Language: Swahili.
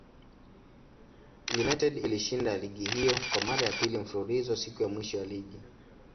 United ilishinda ligi hiyo kwa mara ya pili mfululizo siku ya mwisho ya ligi.